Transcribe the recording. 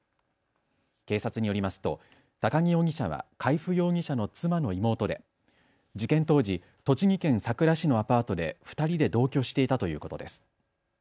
警察によりますと高木容疑者は海部容疑者の妻の妹で事件当時、栃木県さくら市のアパートで２人で同居していたということです。